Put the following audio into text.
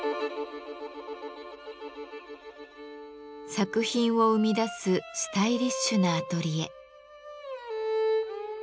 作品を生み出すスタイリッシュなアトリエ。